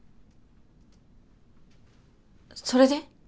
それで？